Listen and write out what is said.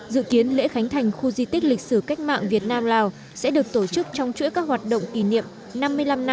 dự kiến lễ khánh thành khu di tích lịch sử cách mạng việt nam lào sẽ được tổ chức trong chuỗi các hoạt động kỷ niệm năm mươi năm năm